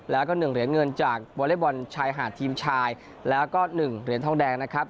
แล้วก็๑เหรียญเงินจากวอเล็กบอลชายหาดทีมชายแล้วก็๑เหรียญทองแดงนะครับ